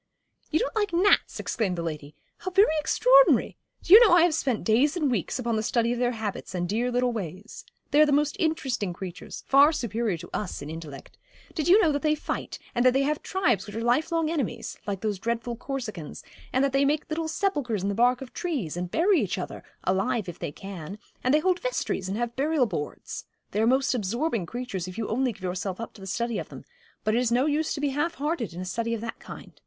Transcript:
'You don't like gnats!' exclaimed the lady; 'how very extraordinary. Do you know I have spent days and weeks upon the study of their habits and dear little ways. They are the most interesting creatures far superior to us in intellect. Do you know that they fight, and that they have tribes which are life long enemies like those dreadful Corsicans and that they make little sepulchres in the bark of trees, and bury each other alive, if they can; and they hold vestries, and have burial boards. They are most absorbing creatures, if you only give yourself up to the study of them; but it is no use to be half hearted in a study of that kind.